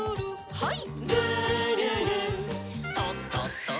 はい。